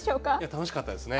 楽しかったですね。